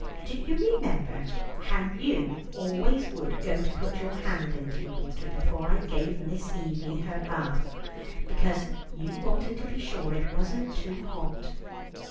Do you remember how you always would go to put your hand into the water before I gave Miss Evie her bath, because you wanted to be sure it wasn't too hot?